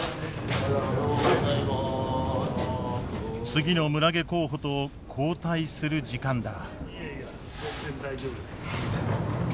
次の村下候補と交代する時間だ。